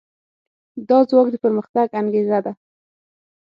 دا ځواک د پرمختګ انګېزه ده.